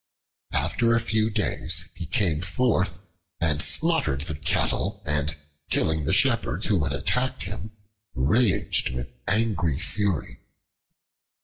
After a few days he came forth and slaughtered the cattle, and, killing the Shepherds who had attacked him, raged with angry fury.